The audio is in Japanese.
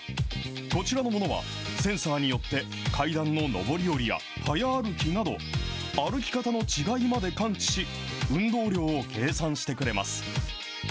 こちらのものは、センサーによって階段の上り下りや早歩きなど、歩き方の違いまで感知し、運動量を計算してくれます。